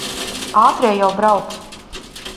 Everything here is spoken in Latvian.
Ātrie jau brauc.